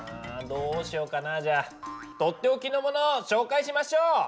うんどうしようかなじゃあ取って置きのものを紹介しましょう！